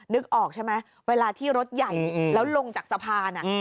นึกออกใช่ไหมเวลาที่รถใหญ่แล้วลงจากสะพาน